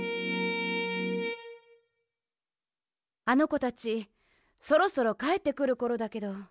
あのこたちそろそろかえってくるころだけど。